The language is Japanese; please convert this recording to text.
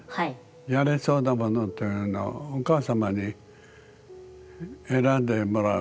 やれそうなものというのをお母様に選んでもらう。